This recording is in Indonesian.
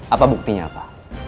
apa buktinya apa